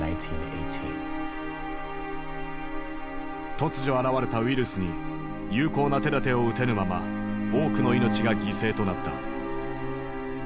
突如現れたウイルスに有効な手だてを打てぬまま多くの命が犠牲となった。